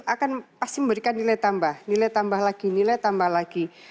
akan pasti memberikan nilai tambah nilai tambah lagi nilai tambah lagi